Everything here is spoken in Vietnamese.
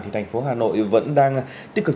thì thành phố hà nội vẫn đang tích cực